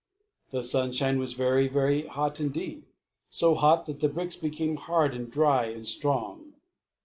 The sunshine was very, very hot indeed so hot that the bricks became hard and dry and strong.